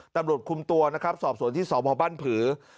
ตำรวจคุมตัวนะครับสอบสวนที่สพบ้านผือ